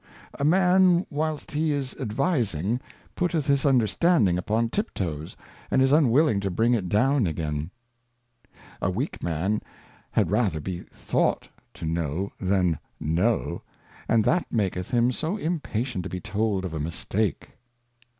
A Man whilst he is advising putteth his Understanding upon Tiptoes, and is unwilling to bring it down again. A weak Man had rather be thought to know, than know, and that maketh him so impatient to be told of a Mistake.